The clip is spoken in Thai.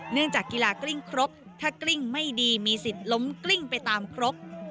จากกีฬากลิ้งครบถ้ากลิ้งไม่ดีมีสิทธิ์ล้มกลิ้งไปตามครบ